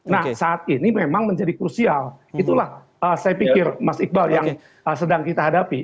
nah saat ini memang menjadi krusial itulah saya pikir mas iqbal yang sedang kita hadapi